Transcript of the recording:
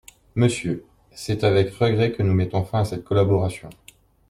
Monsieur, c'est avec regrets que nous mettons fin à cette collaboration.